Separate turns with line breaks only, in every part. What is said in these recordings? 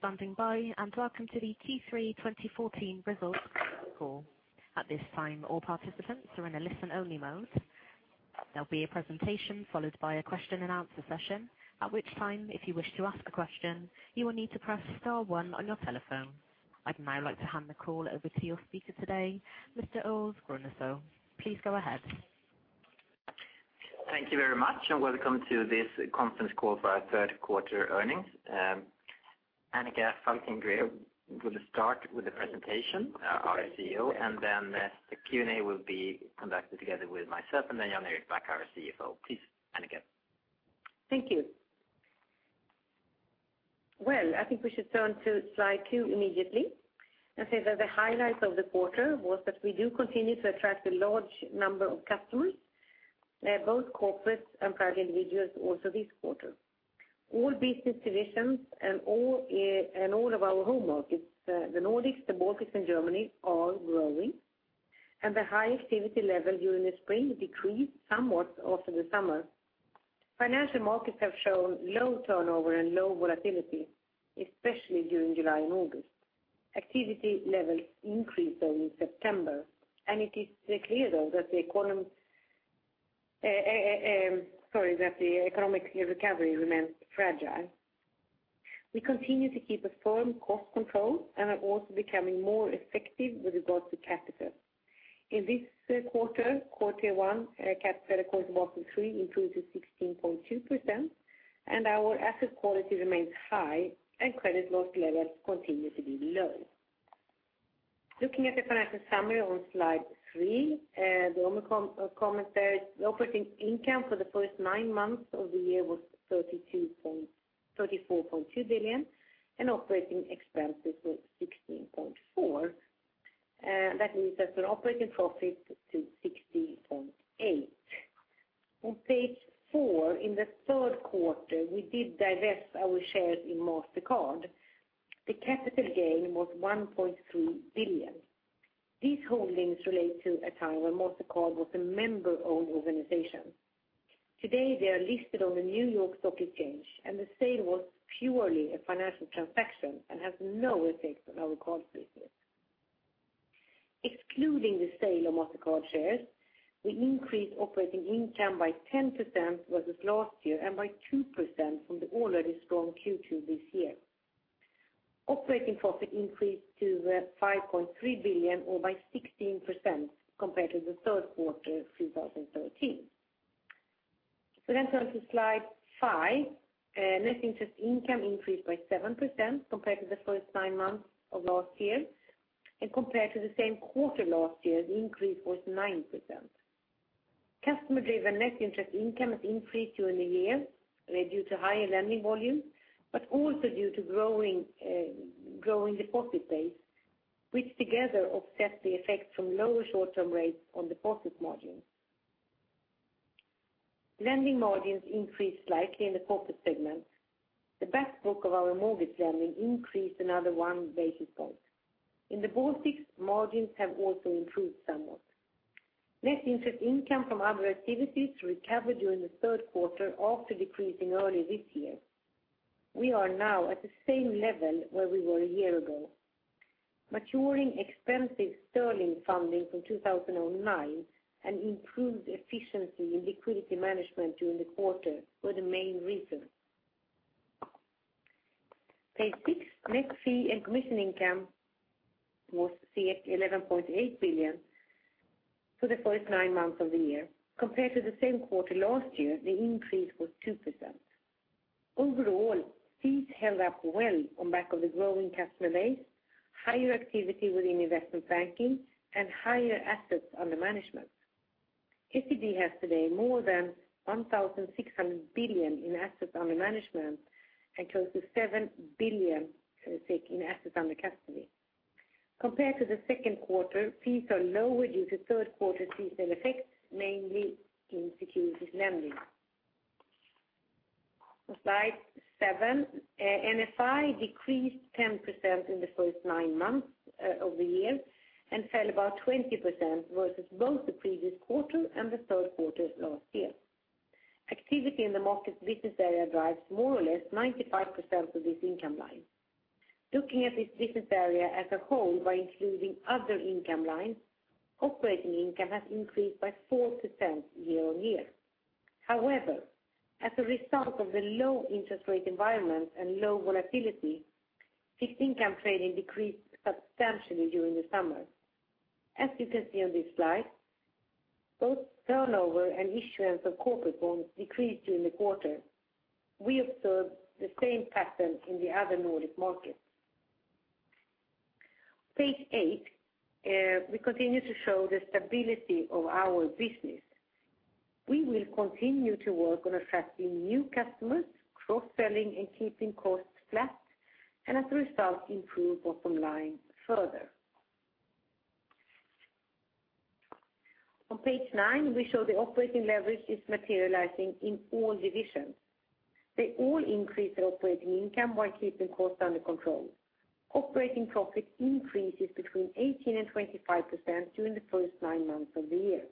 Thank you for standing by, and welcome to the Q3 2014 results call. At this time, all participants are in a listen-only mode. There'll be a presentation followed by a question-and-answer session, at which time, if you wish to ask a question, you will need to press star one on your telephone. I'd now like to hand the call over to your speaker today, Mr. Ulf Grunnesjö. Please go ahead.
Thank you very much. Welcome to this conference call for our third quarter earnings. Annika Falkengren will start with the presentation, our CEO. The Q&A will be conducted together with myself and Jan Erik Back, our CFO. Please, Annika.
Thank you. Well, I think we should turn to slide two immediately. The highlights of the quarter was that we do continue to attract a large number of customers, both corporates and private individuals also this quarter. All business divisions and all of our home markets, the Nordics, the Baltics, and Germany, are growing. The high activity level during the spring decreased somewhat over the summer. Financial markets have shown low turnover and low volatility, especially during July and August. Activity levels increased though in September. It is clear though that the economic recovery remains fragile. We continue to keep a firm cost control. We are also becoming more effective with regards to capital. In this quarter one, capital core level 3 improved to 16.2%. Our asset quality remains high. Credit loss levels continue to be low. Looking at the financial summary on slide three, the only comment there is the operating income for the first nine months of the year was 34.2 billion. Operating expenses was 16.4 billion. That means that our operating profit to 60.8 billion. On page four, in the third quarter, we did divest our shares in Mastercard. The capital gain was 1.3 billion. These holdings relate to a time when Mastercard was a member-owned organization. Today, they are listed on the New York Stock Exchange. The sale was purely a financial transaction and has no effect on our card business. Excluding the sale of Mastercard shares, we increased operating income by 10% versus last year and by 2% from the already strong Q2 this year. Operating profit increased to 5.3 billion or by 16% compared to the third quarter of 2013. Let's turn to slide five. Net interest income increased by 7% compared to the first nine months of last year. Compared to the same quarter last year, the increase was 9%. Customer-driven net interest income increased during the year due to higher lending volumes but also due to growing deposit base, which together offset the effect from lower short-term rates on deposit margins. Lending margins increased slightly in the corporate segment. The back book of our mortgage lending increased another one basis point. In the Baltics, margins have also improved somewhat. Net interest income from other activities recovered during the third quarter after decreasing early this year. We are now at the same level where we were a year ago. Maturing expensive sterling funding from 2009 and improved efficiency in liquidity management during the quarter were the main reasons. Page six, net fee and commission income was 11.8 billion for the first nine months of the year. Compared to the same quarter last year, the increase was 2%. Overall, fees held up well on back of the growing customer base, higher activity within investment banking, and higher assets under management. SEB has today more than 1,600 billion in assets under management and close to 7 billion in assets under custody. Compared to the second quarter, fees are lower due to third quarter seasonal effects, mainly in securities lending. On slide seven, NFI decreased 10% in the first nine months of the year and fell about 20% versus both the previous quarter and the third quarter of last year. Activity in the markets business area drives more or less 95% of this income line. Looking at this business area as a whole by including other income lines, operating income has increased by 4% year-on-year. However, as a result of the low interest rate environment and low volatility, fixed income trading decreased substantially during the summer. As you can see on this slide, both turnover and issuance of corporate bonds decreased during the quarter. We observed the same pattern in the other Nordic markets. Page eight we continue to show the stability of our business. We will continue to work on attracting new customers, cross-selling and keeping costs flat. As a result, improve bottom line further. On page nine, we show the operating leverage is materializing in all divisions. They all increased their operating income while keeping costs under control. Operating profit increases between 18% and 25% during the first nine months of the year.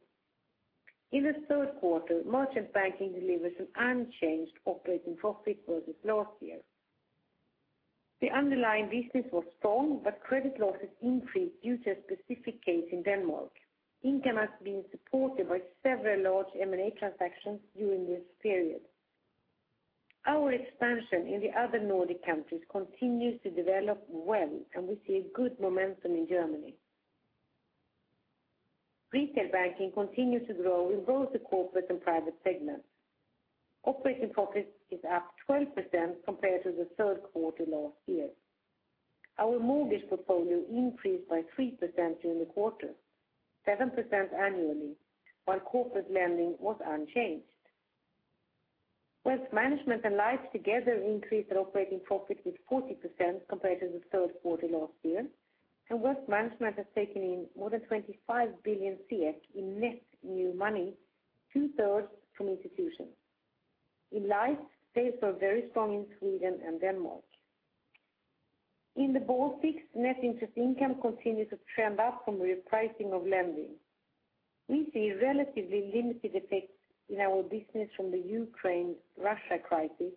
In the third quarter, merchant banking delivers an unchanged operating profit versus last year. The underlying business was strong, but credit losses increased due to a specific case in Denmark. Income has been supported by several large M&A transactions during this period. Our expansion in the other Nordic countries continues to develop well, and we see a good momentum in Germany. Retail banking continues to grow in both the corporate and private segments. Operating profit is up 12% compared to the third quarter last year. Our mortgage portfolio increased by 3% during the quarter, 7% annually, while corporate lending was unchanged. Wealth management and life together increased our operating profit with 40% compared to the third quarter last year. Wealth management has taken in more than 25 billion in net new money, two-thirds from institutions. In life, sales were very strong in Sweden and Denmark. In the Baltics, net interest income continues to trend up from repricing of lending. We see relatively limited effects in our business from the Ukraine-Russia crisis,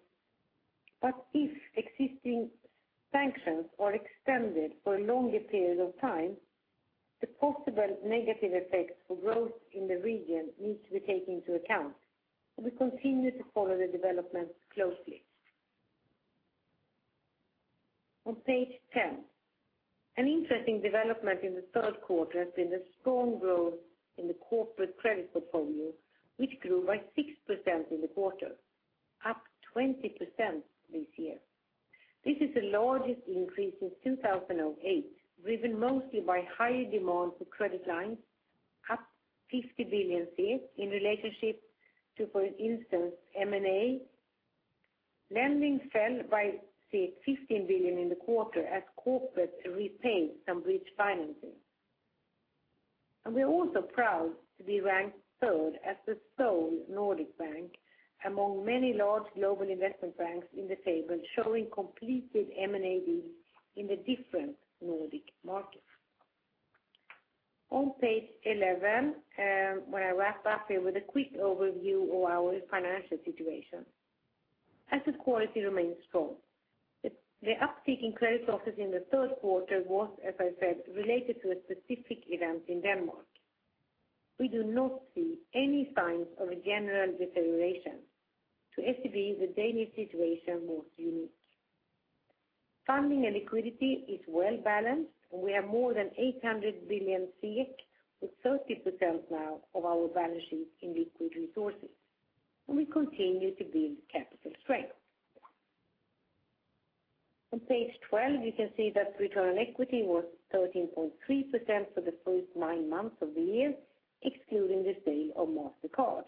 but if existing sanctions are extended for a longer period of time, the possible negative effects for growth in the region need to be taken into account, and we continue to follow the development closely. On page 10. An interesting development in the third quarter has been the strong growth in the corporate credit portfolio, which grew by 6% in the quarter, up 20% this year. This is the largest increase since 2008, driven mostly by high demand for credit lines, up 50 billion in relationship to, for instance, M&A. Lending fell by 15 billion in the quarter as corporates repaid some bridge financing. We're also proud to be ranked third as the sole Nordic bank among many large global investment banks in the table, showing completed M&A deals in the different Nordic markets. On page 11, where I wrap up here with a quick overview of our financial situation. Asset quality remains strong. The uptick in credit losses in the third quarter was, as I said, related to a specific event in Denmark. We do not see any signs of a general deterioration. To SEB, the Danish situation was unique. Funding and liquidity is well-balanced, and we have more than 800 billion, with 30% now of our balance sheet in liquid resources, and we continue to build capital strength. On page 12, you can see that return on equity was 13.3% for the first nine months of the year, excluding the sale of Mastercard,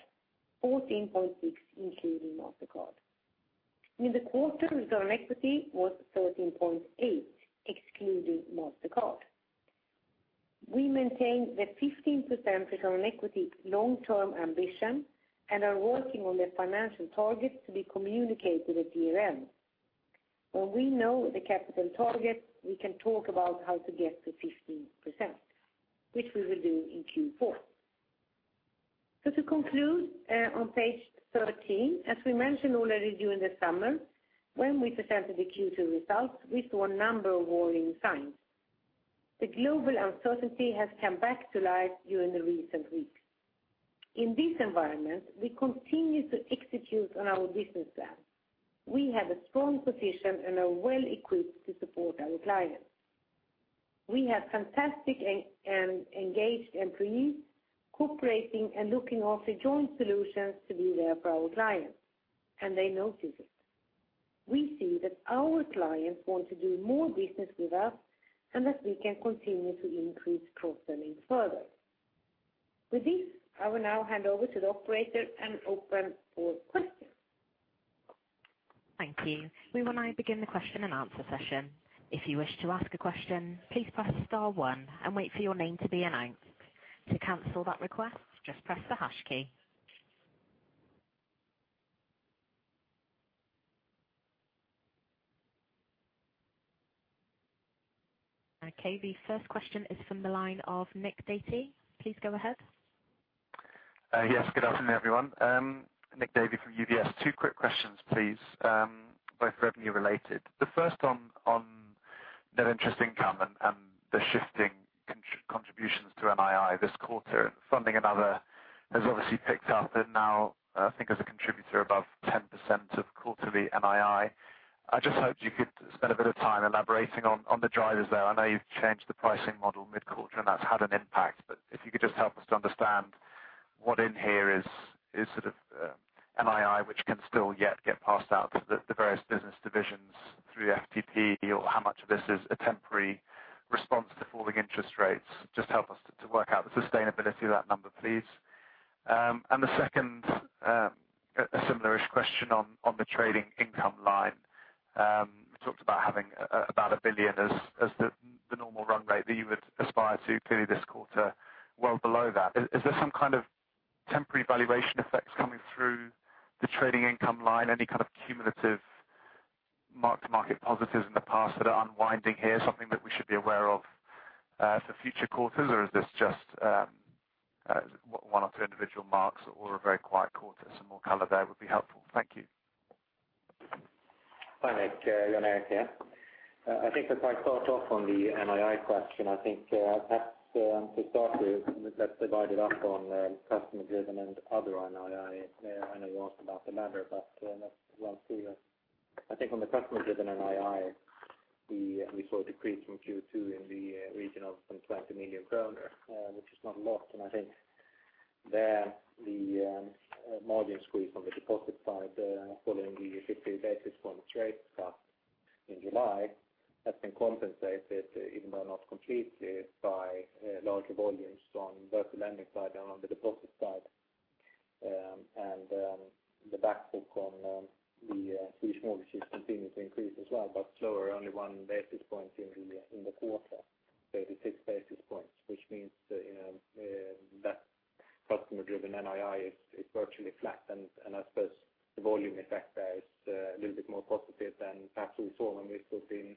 14.6% including Mastercard. In the quarter, return on equity was 13.8%, excluding Mastercard. We maintain the 15% return on equity long-term ambition and are working on the financial targets to be communicated at year-end. When we know the capital target, we can talk about how to get to 15%, which we will do in Q4. To conclude on page 13, as we mentioned already during the summer when we presented the Q2 results, we saw a number of warning signs. The global uncertainty has come back to life during the recent weeks. In this environment, we continue to execute on our business plan. We have a strong position and are well equipped to support our clients. We have fantastic and engaged employees, cooperating and looking after joint solutions to be there for our clients, and they notice it. We see that our clients want to do more business with us and that we can continue to increase cross-selling further. With this, I will now hand over to the operator and open for questions.
Thank you. We will now begin the question and answer session. If you wish to ask a question, please press star one and wait for your name to be announced. To cancel that request, just press the hash key. Okay, the first question is from the line of Nicholas Davey. Please go ahead.
Yes, good afternoon, everyone. Nicholas Davey from UBS. Two quick questions, please, both revenue related. The first on net interest income and the shifting contributions to NII this quarter. Funding and other has obviously picked up and now I think is a contributor above 10% of quarterly NII. I just hoped you could spend a bit of time elaborating on the drivers there. I know you've changed the pricing model mid-quarter and that's had an impact, but if you could just help us to understand what in here is NII which can still yet get passed out to the various business divisions through FTP or how much of this is a temporary response to falling interest rates. Just help us to work out the sustainability of that number, please. The second, a similar-ish question on the trading income line. You talked about having about 1 billion as the normal run rate that you would aspire to. Clearly this quarter well below that. Is there some kind of temporary valuation effects coming through the trading income line? Any kind of cumulative Mark-to-market positives in the past that are unwinding here, something that we should be aware of for future quarters, or is this just one or two individual marks or a very quiet quarter? Some more color there would be helpful. Thank you.
Hi, Nick. Jan Erik here. I think if I start off on the NII question, I think to start with, let's divide it up on customer-driven and other NII. I know you asked about the latter, but let's run through this. I think on the customer-driven NII, we saw a decrease from Q2 in the region of some 20 million kronor, which is not a lot. I think there the margin squeeze on the deposit side following the 50 basis point rate cut in July has been compensated, even though not completely, by larger volumes on both the lending side and on the deposit side. The back book on the Swedish mortgages continued to increase as well, but slower, only one basis point in the quarter, 36 basis points, which means that customer-driven NII is virtually flat. I suppose the volume effect there is a little bit more positive than perhaps we saw when we stood in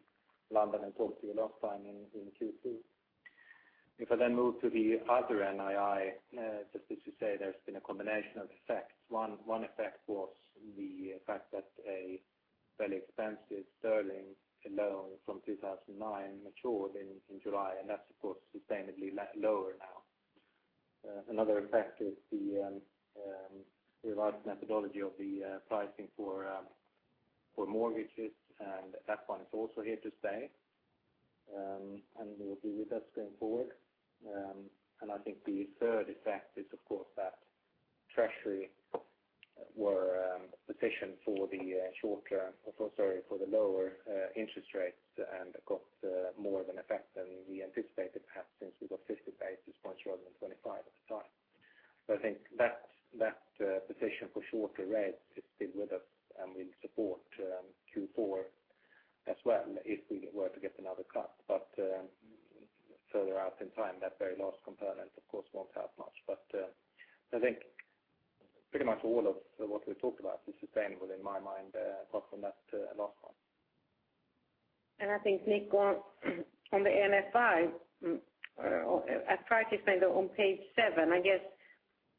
London and talked to you last time in Q2. If I move to the other NII, just to say there's been a combination of effects. One effect was the fact that a fairly expensive sterling loan from 2009 matured in July, and that's, of course, sustainably lower now. Another effect is the revised methodology of the pricing for mortgages, and that one is also here to stay. Will be with us going forward. I think the third effect is, of course, that Treasury were positioned for the lower interest rates and got more of an effect than we anticipated, perhaps since we got 50 basis points rather than 25 at the start. I think that position for shorter rates is with us and will support Q4 as well if we were to get another cut. Further out in time, that very last component, of course, won't help much. I think pretty much all of what we talked about is sustainable in my mind, apart from that last one.
I think, Nick, on the NFI, as far as maybe on page seven, I guess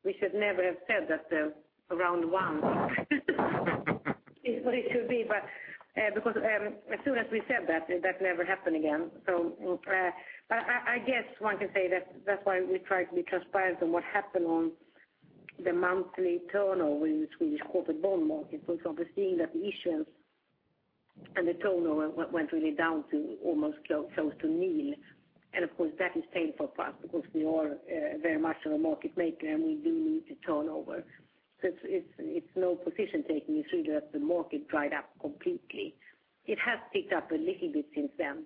we should never have said that around one is what it should be. As soon as we said that never happened again. I guess one can say that's why we try to be transparent on what happened on the monthly turnover in the Swedish corporate bond market. For example, seeing that the issuance and the turnover went really down to almost close to nil. Of course, that is painful for us because we are very much of a market maker, and we do need the turnover. It's no position taking. It's really that the market dried up completely. It has picked up a little bit since then.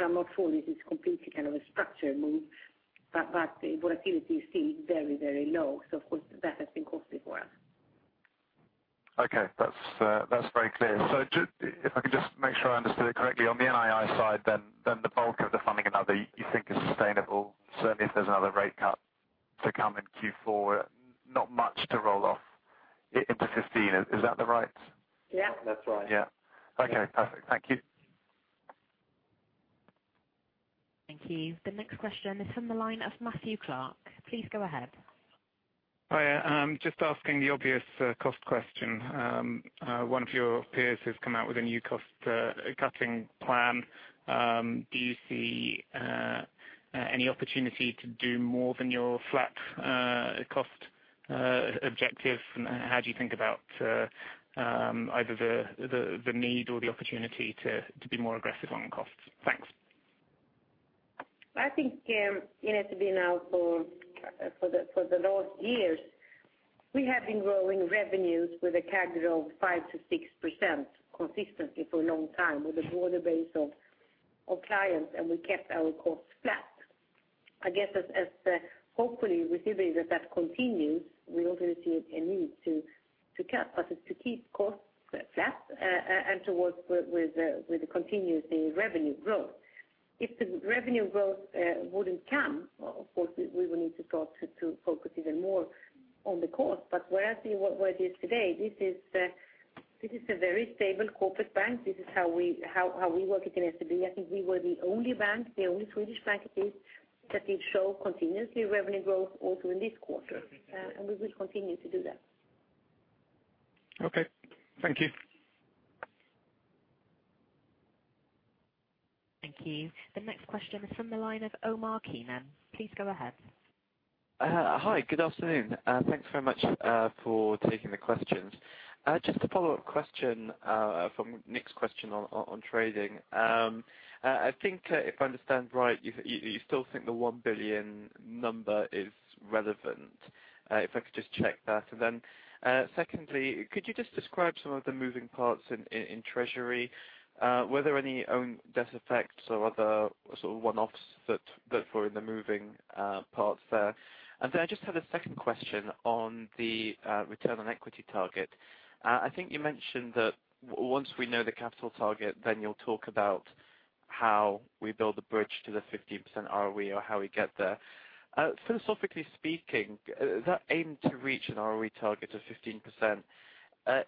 I'm not sure this is completely a structure move, but the volatility is still very low. Of course, that has been costly for us.
That's very clear. If I could just make sure I understood it correctly. On the NII side, the bulk of the funding and other you think is sustainable, certainly if there's another rate cut to come in Q4, not much to roll off into 2015. Is that the right-
Yeah.
That's right.
Okay, perfect. Thank you.
Thank you. The next question is from the line of Matthew Clark. Please go ahead.
Hi. Just asking the obvious cost question. One of your peers has come out with a new cost-cutting plan. Do you see any opportunity to do more than your flat cost objective? How do you think about either the need or the opportunity to be more aggressive on costs? Thanks.
I think it has been now for the last years, we have been growing revenues with a CAGR of 5%-6% consistently for a long time with a broader base of clients. We kept our costs flat. I guess as hopefully we see that continue, we don't really see a need to cut, but to keep costs flat and to work with the continuously revenue growth. If the revenue growth wouldn't come, of course, we will need to start to focus even more on the cost. Where I see where it is today, this is a very stable corporate bank. This is how we work at SEB. I think we were the only bank, the only Swedish bank, that did show continuously revenue growth also in this quarter. We will continue to do that.
Okay. Thank you.
Thank you. The next question is from the line of Omar Keenan. Please go ahead.
Hi, good afternoon. Thanks very much for taking the questions. Just a follow-up question from Nick's question on trading. I think if I understand right, you still think the 1 billion number is relevant. If I could just check that. Secondly, could you just describe some of the moving parts in treasury? Were there any own debt effects or other one-offs that were in the moving parts there? I just had a second question on the return on equity target. I think you mentioned that once we know the capital target, then you'll talk about how we build the bridge to the 15% ROE or how we get there. Philosophically speaking, that aim to reach an ROE target of 15%,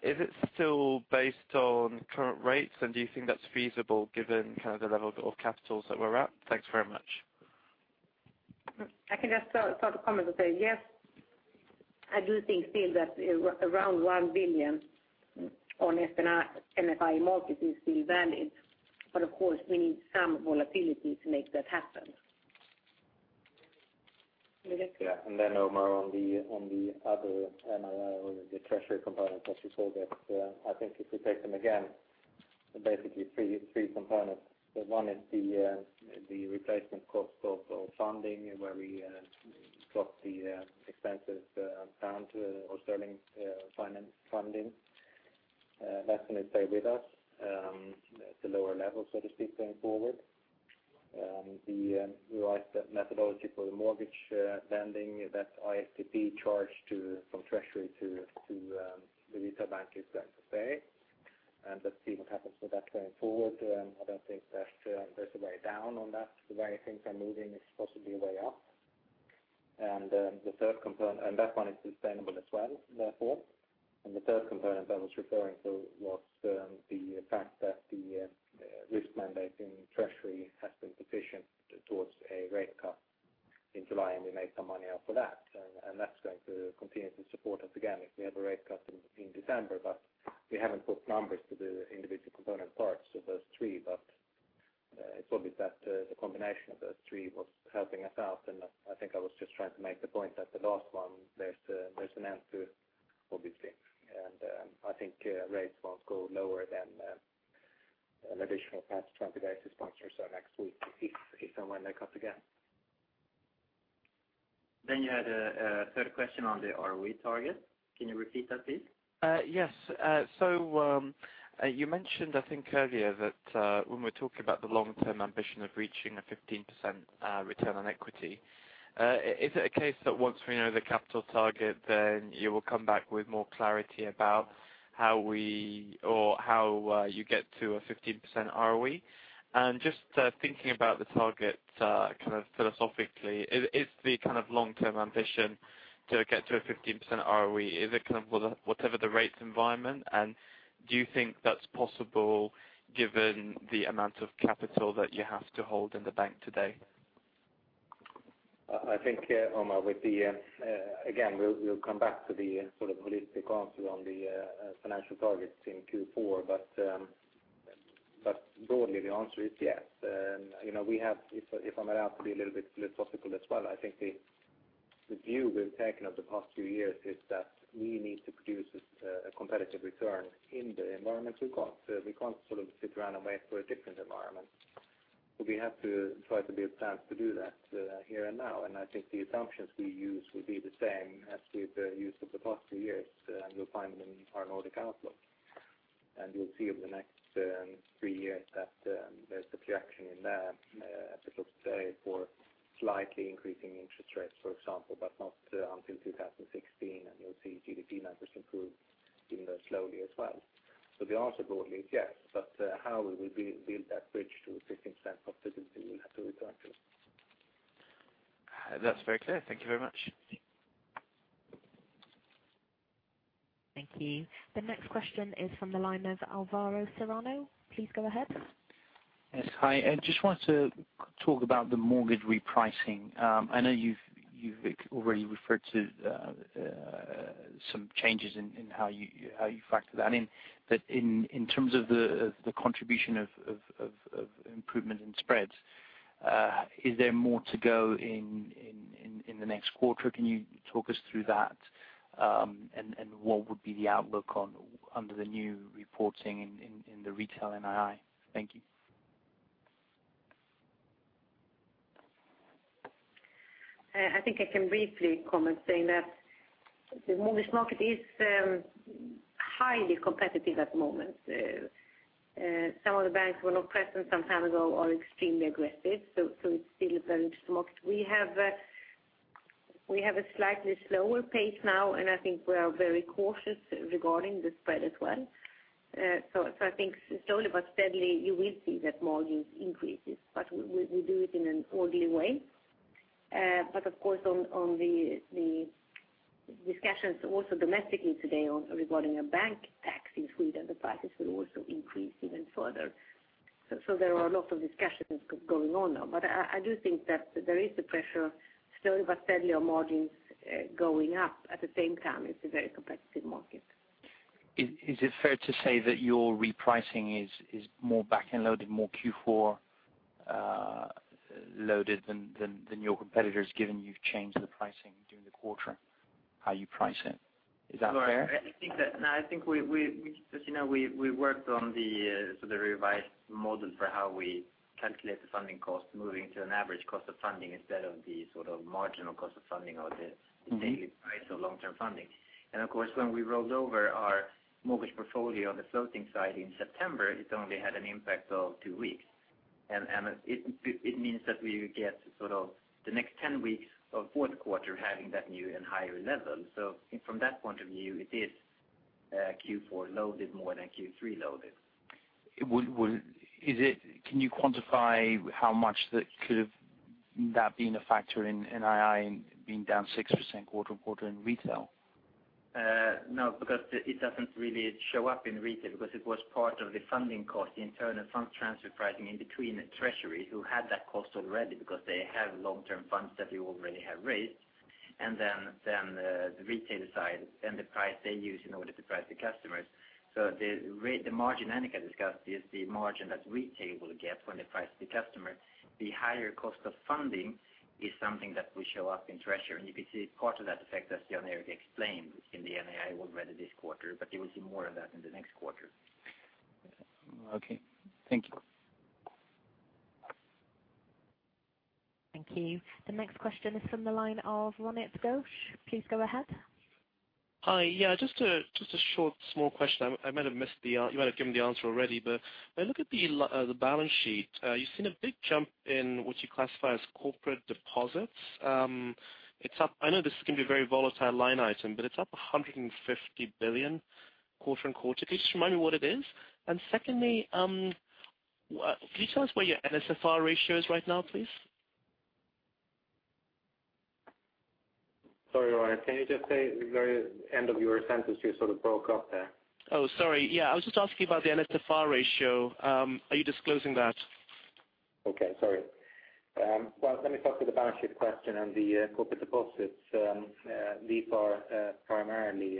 is it still based on current rates, and do you think that's feasible given the level of capitals that we're at? Thanks very much.
I can just start to comment and say, yes, I do think still that around 1 billion on NFI market is still valid. Of course, we need some volatility to make that happen.
Omar, on the other NII or the treasury component, as you saw that, I think if we take them again, basically three components. One is the replacement cost of funding where we swap the expensive pound or sterling funding. That's going to stay with us at a lower level, so to speak, going forward. The revised methodology for the mortgage lending, that ISTB charge from treasury to the retail bank is going to stay, and let's see what happens with that going forward. I don't think that there's a way down on that. The way things are moving, it's possibly a way up. That one is sustainable as well, therefore. The third component I was referring to was the fact that the risk mandate in treasury has been positioned towards a rate cut in July, and we made some money off of that. That's going to continue to support us again if we have a rate cut in December. We haven't put numbers to the individual component parts of those three. It's obvious that the combination of those three was helping us out, and I think I was just trying to make the point that the last one, there's an end to it, obviously. I think rates won't go lower than an additional perhaps 20 basis points or so next week if and when they cut again. You had a third question on the ROE target. Can you repeat that, please?
Yes. You mentioned, I think earlier, that when we're talking about the long-term ambition of reaching a 15% return on equity, is it a case that once we know the capital target, then you will come back with more clarity about how you get to a 15% ROE? Just thinking about the target philosophically, is the long-term ambition to get to a 15% ROE, is it whatever the rates environment? Do you think that's possible given the amount of capital that you have to hold in the bank today?
I think, Omar, again, we'll come back to the holistic answer on the financial targets in Q4. Broadly, the answer is yes. If I'm allowed to be a little bit philosophical as well, I think the view we've taken over the past few years is that we need to produce a competitive return in the environment we've got. We can't sit around and wait for a different environment. We have to try to build plans to do that here and now. I think the assumptions we use will be the same as we've used for the past few years, and you'll find them in our Nordic Outlook. You'll see over the next three years that there's a projection in there that looks for slightly increasing interest rates, for example, but not until 2016. You'll see GDP numbers improve even though slowly as well. The answer broadly is yes, but how we will build that bridge to a 15% positively, we'll have to return to.
That's very clear. Thank you very much.
Thank you. The next question is from the line of Alvaro Serrano. Please go ahead.
Yes. Hi. I just wanted to talk about the mortgage repricing. I know you've already referred to some changes in how you factor that in. In terms of the contribution of improvement in spreads, is there more to go in the next quarter? Can you talk us through that? What would be the outlook under the new reporting in the retail NII? Thank you.
I think I can briefly comment saying that the mortgage market is highly competitive at the moment. Some of the banks were not present some time ago are extremely aggressive, it's still a very interesting market. We have a slightly slower pace now, I think we are very cautious regarding the spread as well. I think slowly but steadily you will see that margins increases, we do it in an orderly way. Of course, on the discussions also domestically today regarding a bank tax in Sweden, the prices will also increase even further. There are a lot of discussions going on now. I do think that there is a pressure slowly but steadily on margins going up. At the same time, it's a very competitive market.
Is it fair to say that your repricing is more back-end loaded, more Q4 loaded than your competitors, given you've changed the pricing during the quarter, how you price it? Is that fair?
No, I think that we worked on the revised model for how we calculate the funding cost, moving to an average cost of funding instead of the marginal cost of funding or the daily price of long-term funding. Of course, when we rolled over our mortgage portfolio on the floating side in September, it only had an impact of two weeks. It means that we get the next 10 weeks of fourth quarter having that new and higher level. From that point of view, it is Q4 loaded more than Q3 loaded.
Can you quantify how much that could have been a factor in NII being down 6% quarter-on-quarter in retail?
No, because it doesn't really show up in retail because it was part of the funding cost, the internal fund transfer pricing in between treasury who had that cost already because they have long-term funds that we already have raised, the retail side and the price they use in order to price the customers. The margin Annika discussed is the margin that retail will get when they price the customer. The higher cost of funding is something that will show up in treasury, and you can see part of that effect as Jan Erik explained in the NII already this quarter, but you will see more of that in the next quarter.
Okay. Thank you.
Thank you. The next question is from the line of Ronit Ghose. Please go ahead.
Hi. Yeah, just a short, small question. You might have given the answer already, but when I look at the balance sheet, you've seen a big jump in what you classify as corporate deposits. I know this can be a very volatile line item, but it's up 150 billion quarter-on-quarter. Could you just remind me what it is? Secondly, can you tell us where your NSFR ratio is right now, please?
Sorry, Ronit, can you just say the very end of your sentence? You sort of broke up there.
Oh, sorry. Yeah, I was just asking about the NSFR ratio. Are you disclosing that?
Okay, sorry. Well, let me start with the balance sheet question and the corporate deposits. These are primarily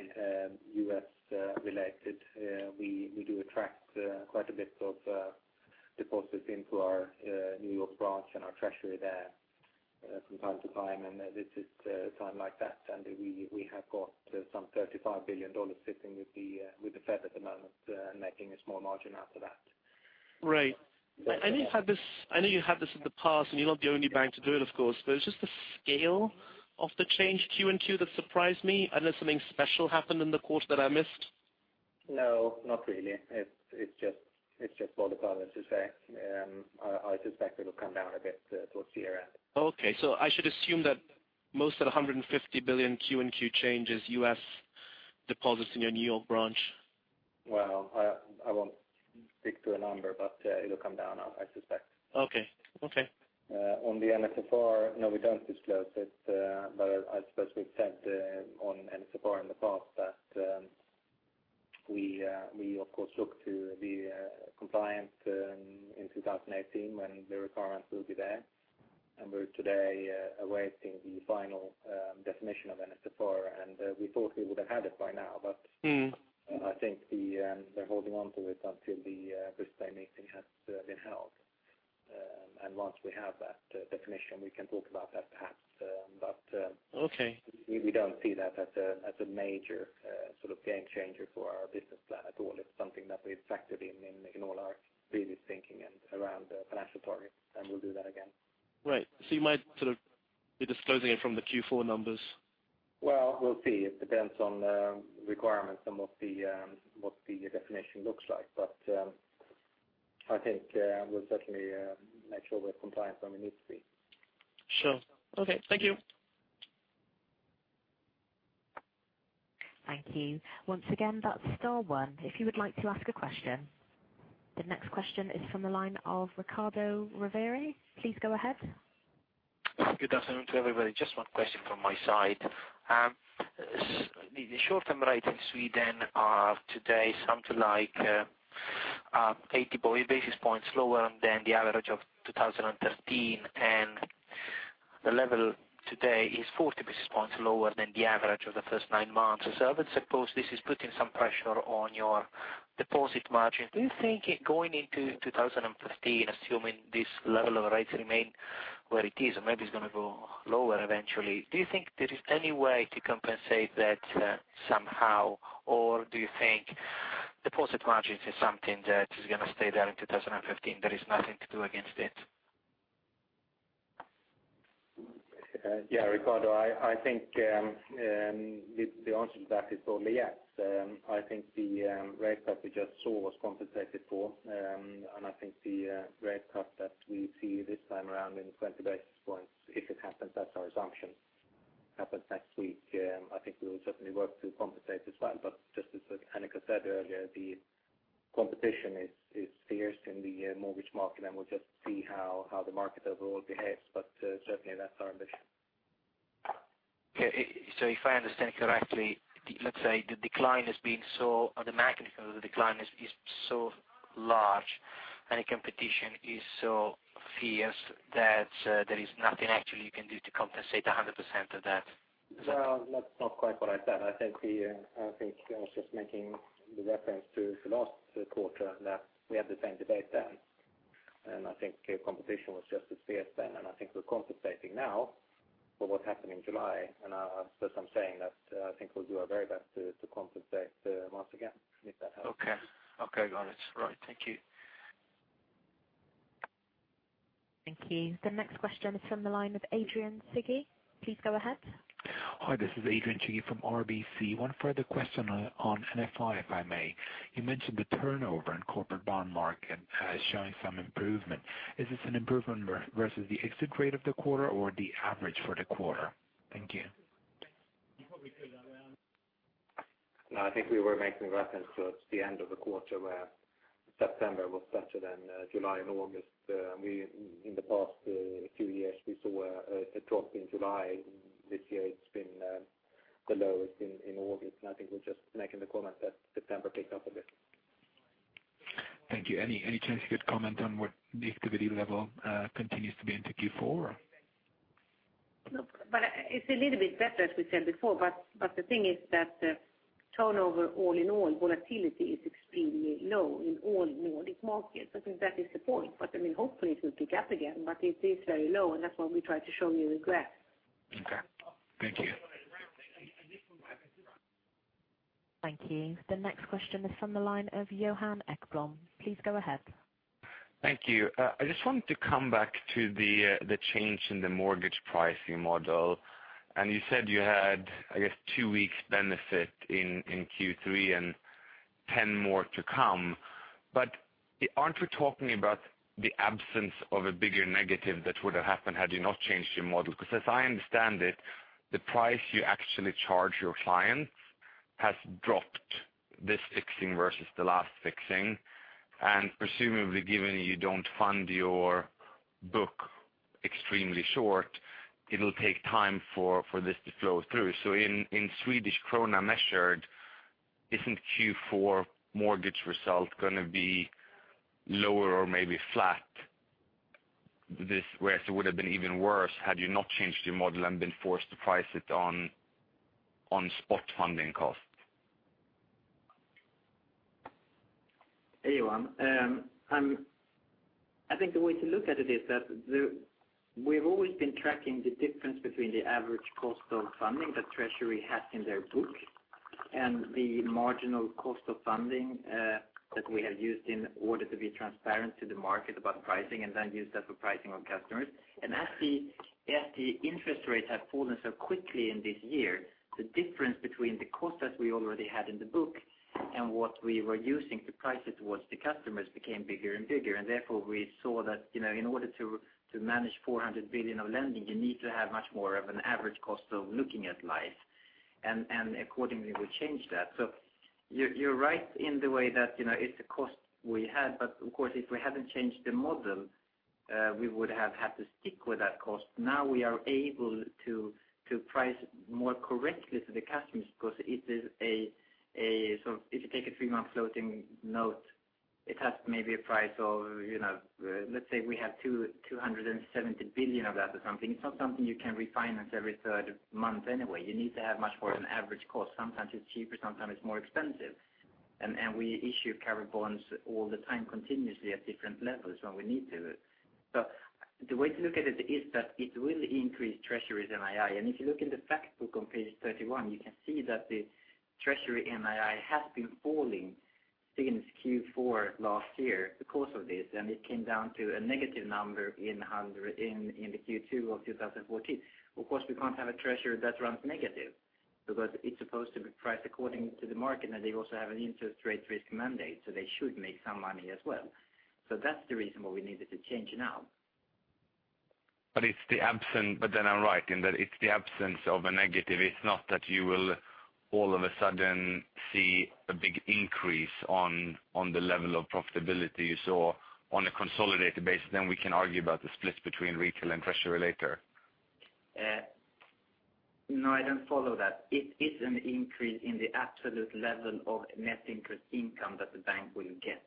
U.S.-related. We do attract quite a bit of deposits into our New York branch and our treasury there from time to time, and this is a time like that. We have got some $35 billion sitting with the Fed at the moment, making a small margin out of that.
Right. I know you had this in the past, you're not the only bank to do it, of course, it's just the scale of the change Q on Q that surprised me, unless something special happened in the quarter that I missed.
No, not really. It's just volatile, as you say. I suspect it'll come down a bit towards year end.
Okay. I should assume that most of the 150 billion Q on Q change is U.S. deposits in your New York branch?
Well, I won't speak to a number, but it'll come down, I suspect.
Okay.
On the NSFR, no, we don't disclose it. I suppose we've said on NSFR in the past that we of course look to be compliant in 2018 when the requirements will be there. We're today awaiting the final definition of NSFR. We thought we would have had it by now, but I think they're holding onto it until the Brisbane meeting has been held. Once we have that definition, we can talk about that perhaps.
Okay.
We don't see that as a major game changer for our business plan at all. It's something that we've factored in in all our previous thinking and around financial targets, and we'll do that again.
Right. You might be disclosing it from the Q4 numbers?
Well, we'll see. It depends on the requirements and what the definition looks like. I think we'll certainly make sure we're compliant when we need to be.
Sure. Okay. Thank you.
Thank you. Once again, that's star one if you would like to ask a question. The next question is from the line of Riccardo Rovere. Please go ahead.
Good afternoon to everybody. Just one question from my side. The short-term rate in Sweden are today something like 80 basis points lower than the average of 2013, and the level today is 40 basis points lower than the average of the first nine months. I would suppose this is putting some pressure on your deposit margin. Do you think going into 2015, assuming this level of rates remain where it is, or maybe it's going to go lower eventually, do you think there is any way to compensate that somehow? Do you think deposit margins is something that is going to stay there in 2015, there is nothing to do against it?
Riccardo. I think the answer to that is probably yes. I think the rate cut we just saw was compensated for, I think the rate cut that we see this time around in 20 basis points, if it happens, that's our assumption, happens next week I think we will certainly work to compensate as well. Just as Annika said earlier, the competition is fierce in the mortgage market, We'll just see how the market overall behaves. Certainly that's our ambition.
If I understand correctly, let's say the decline has been so the magnitude of the decline is so large and the competition is so fierce that there is nothing actually you can do to compensate 100% of that.
Well, that's not quite what I said. I think I was just making the reference to the last quarter that we had the same debate then. I think competition was just as fierce then, I think we're compensating now for what happened in July. I suppose I'm saying that I think we'll do our very best to compensate once again, if that helps.
Got it. Right. Thank you.
Thank you. The next question is from the line of Adrian Cighi. Please go ahead.
Hi, this is Adrian Cighi from RBC. One further question on NFI, if I may. You mentioned the turnover in corporate bond market showing some improvement. Is this an improvement versus the exit rate of the quarter or the average for the quarter? Thank you.
You probably heard that well
No, I think we were making reference to the end of the quarter where September was better than July and August. In the past few years, we saw a drop in July. This year it's been the lowest in August, and I think we're just making the comment that September picked up a bit.
Thank you. Any chance you could comment on what the activity level continues to be into Q4?
Look, it's a little bit better, as we said before. The thing is that the turnover all in all, volatility is extremely low in all Nordic markets. I think that is the point. Hopefully it will pick up again, but it is very low and that's why we try to show you the graph.
Okay. Thank you.
Thank you. The next question is from the line of Johan Ekblom. Please go ahead.
Thank you. I just wanted to come back to the change in the mortgage pricing model. You said you had, I guess, two weeks benefit in Q3 and 10 more to come. Aren't we talking about the absence of a bigger negative that would have happened had you not changed your model? Because as I understand it, the price you actually charge your clients has dropped this fixing versus the last fixing, and presumably, given you don't fund your book extremely short, it'll take time for this to flow through. In SEK measured, isn't Q4 mortgage result going to be lower or maybe flat this, whereas it would've been even worse had you not changed your model and been forced to price it on spot funding cost?
Hey, Johan. I think the way to look at it is that we've always been tracking the difference between the average cost of funding that Treasury has in their book and the marginal cost of funding that we have used in order to be transparent to the market about pricing, and then used as a pricing on customers. As the interest rates have fallen so quickly in this year, the difference between the cost that we already had in the book and what we were using to price it towards the customers became bigger and bigger. Therefore, we saw that in order to manage 400 billion of lending, you need to have much more of an average cost of looking at life. Accordingly, we changed that. You're right in the way that it's a cost we had, but of course, if we hadn't changed the model, we would have had to stick with that cost. Now we are able to price more correctly to the customers because it is. If you take a three-month floating note, it has maybe a price of, let's say we have 270 billion of that or something. It's not something you can refinance every third month anyway. You need to have much more of an average cost. Sometimes it's cheaper, sometimes it's more expensive. We issue covered bonds all the time continuously at different levels when we need to. The way to look at it is that it will increase Treasury's NII. If you look in the fact book on page 31, you can see that the Treasury NII has been falling since Q4 last year because of this, and it came down to a negative number in the Q2 of 2014. Of course, we can't have a treasury that runs negative because it's supposed to be priced according to the market, and they also have an interest rate risk mandate, so they should make some money as well. That's the reason why we needed to change now.
I'm right in that it's the absence of a negative. It's not that you will all of a sudden see a big increase on the level of profitability. On a consolidated basis, then we can argue about the splits between retail and treasury later.
No, I don't follow that. It is an increase in the absolute level of net interest income that the bank will get.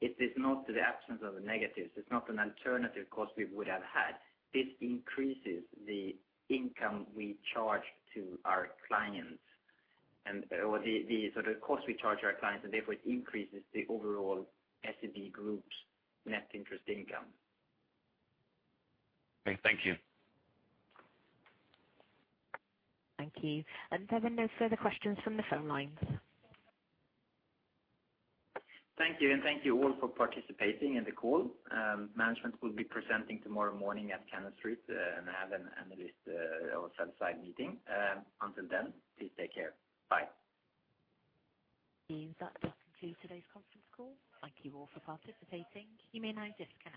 It is not the absence of a negative. It's not an alternative cost we would have had. This increases the income we charge to our clients and the cost we charge our clients, and therefore it increases the overall SEB Group's net interest income.
Thank you.
Thank you. There are no further questions from the phone lines.
Thank you, and thank you all for participating in the call. Management will be presenting tomorrow morning at Cannon Street and have an analyst or fireside meeting. Until then, please take care. Bye.
That does conclude today's conference call. Thank you all for participating. You may now disconnect.